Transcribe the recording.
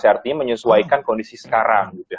artinya menyesuaikan kondisi sekarang